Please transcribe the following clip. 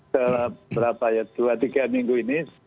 selama dua tiga minggu ini